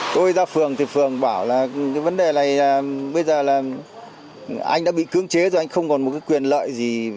tôi ra phường thì phường bảo là vấn đề này bây giờ là anh đã bị cưỡng chế rồi anh không còn một quyền lợi gì